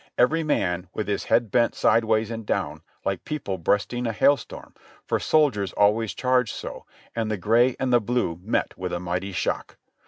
Every man with his head bent sideways and down, like people breasting a hailstorm, for soldiers always charge so, and the Gray and the Blue met with a mighty shock.